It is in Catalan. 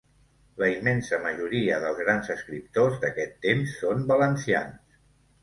La immensa majoria dels grans escriptors d'aquest temps són valencians.